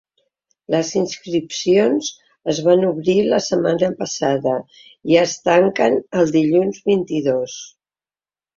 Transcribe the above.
Les inscripcions es van obrir la setmana passada i es tanquen el dilluns, vint-i-dos.